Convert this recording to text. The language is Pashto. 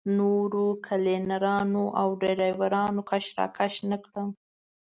نورو کلینرانو او ډریورانو کش راکش نه کړم.